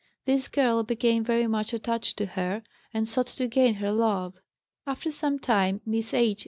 This girl became very much attached to her, and sought to gain her love. After some time Miss H.